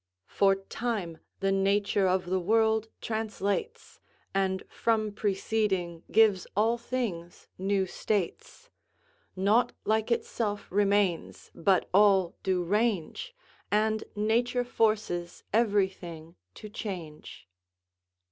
"For time the nature of the world translates, And from preceding gives all things new states; Nought like itself remains, but all do range, And nature forces every thing to change."